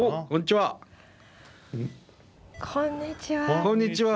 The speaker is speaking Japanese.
こんにちは。